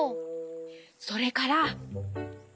それから。